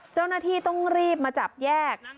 เจ้าหน้าที่ต้องรีบมาจับแยก